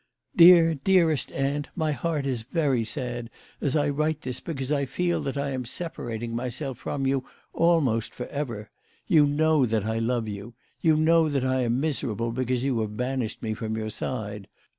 " Dear, dearest aunt, my heart is very sad as I write THE LADY OF LAOTAY. 169 this, because I feel that I am separating myself from you almost for ever. You know that I love you. You know that I am miserable because you have banished me from your side.